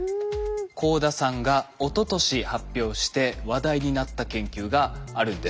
幸田さんがおととし発表して話題になった研究があるんです。